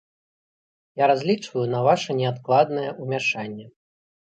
Я разлічваю на ваша неадкладнае ўмяшанне.